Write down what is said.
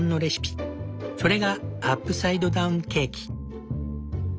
それがアップサイドダウンケーキ。